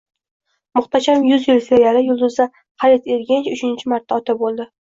Muhtasham yuz yil seriali yulduzi Halit Ergench uchinchi marta ota bo‘ldi